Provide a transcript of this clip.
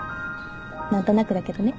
何となくだけどね。